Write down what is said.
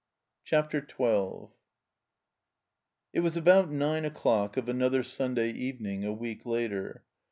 CHAPTER XII IT was about nine o'clock of another Sunday even ing a week later.